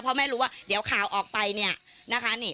เพราะแม่รู้ว่าเดี๋ยวข่าวออกไปเนี่ยนะคะ